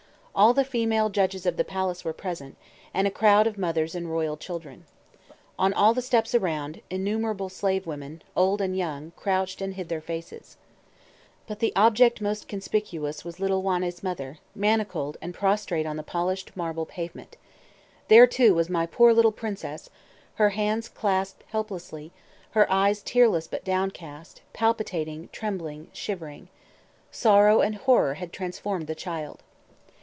All the female judges of the palace were present, and a crowd of mothers and royal children. On all the steps around, innumerable slave women, old and young, crouched and hid their faces. But the object most conspicuous was little Wanne's mother, manacled, and prostrate on the polished marble pavement. There, too, was my poor little princess, her hands clasped helplessly, her eyes tearless but downcast, palpitating, trembling, shivering. Sorrow and horror had transformed the child.